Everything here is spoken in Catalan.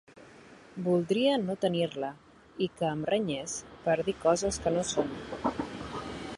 Voldria no tenir-la i que em renyés per dir coses que no són.